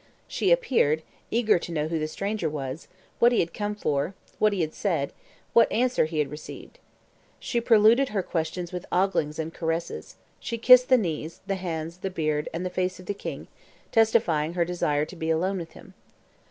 She appeared, eager to know who the stranger was, what he had come for, what he had said, what answer he had received. She preluded her questions with oglings and caresses; she kissed the knees, the hands, the beard, and the face of the king, testifying her desire to be alone with him.